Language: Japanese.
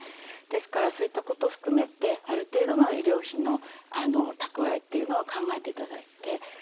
ですからそういったことを含めてある程度の医療費の蓄えというのを考えて頂いて。